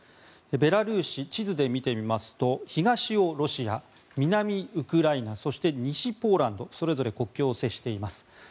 ベラルーシ、地図で見てみますと東をロシア南、ウクライナそして西、ポーランドそれぞれ国境を接しています。